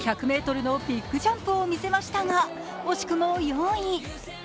１００ｍのビッグジャンプを見せましたが惜しくも４位。